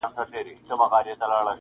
هر څه بې معنا ښکاري ډېر,